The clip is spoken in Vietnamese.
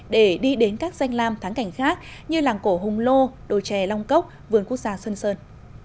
để đi đến các danh lam tháng cảnh khác như làng cổ hùng lô đồ chè long cốc vườn quốc gia sơn sơn